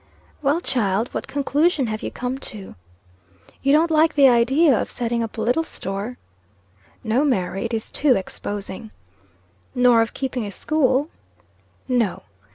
"Well, child, what conclusion have you come to?" "You don't like the idea of setting up a little store?" "No, Mary, it is too exposing." "Nor of keeping a school?" "No."